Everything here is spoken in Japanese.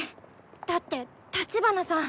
だって立花さん